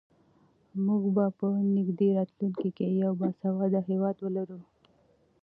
موږ به په نږدې راتلونکي کې یو باسواده هېواد ولرو.